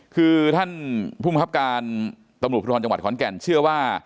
คือท่านภูมิครับการตำรวจภูทรจังหวัดขอนแก่นเชื่อว่า